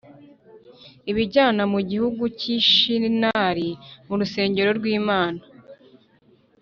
abijyana mu gihugu cy’i Shinari mu rusengero rw’imana